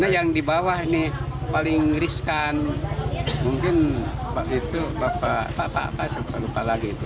yang di bawah ini paling riskan mungkin waktu itu bapak bapak sampai lupa lagi itu